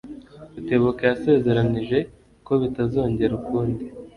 Rutebuka yasezeranije ko bitazongera ukundi.